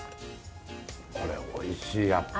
これおいしいやっぱり。